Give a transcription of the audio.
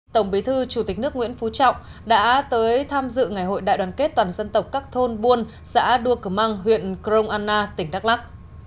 tổng bí thư chủ tịch nước nguyễn phú trọng đã tới tham dự ngày hội đại đoàn kết toàn dân tộc các thôn buôn xã đua cờ mang huyện crong anna tỉnh đắk lắc